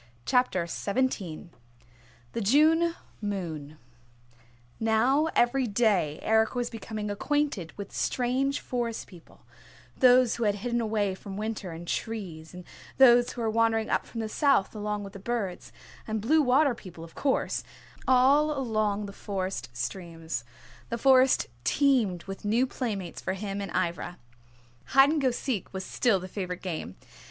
CHAPTER XVII THE JUNE MOON Now every day Eric was becoming acquainted with strange Forest People: those who had hidden away from winter in trees, and those who were wandering up from the south along with the birds, and Blue Water People, of course, all along the Forest streams. The Forest teemed with new playmates for him and Ivra. Hide and go seek was still the favorite game.